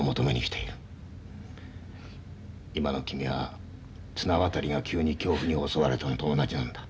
今の君は綱渡りが急に恐怖に襲われたのと同じなんだ。